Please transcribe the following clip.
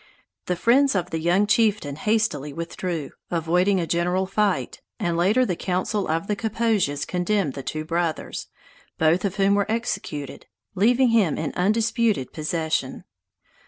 The friends of the young chieftain hastily withdrew, avoiding a general fight; and later the council of the Kaposias condemned the two brothers, both of whom were executed, leaving him in undisputed possession.